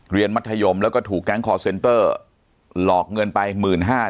มัธยมแล้วก็ถูกแก๊งคอร์เซ็นเตอร์หลอกเงินไป๑๕๐๐บาท